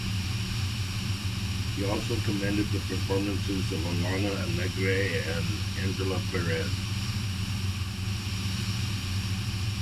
He also commended the performances of Alona Alegre and Angela Perez.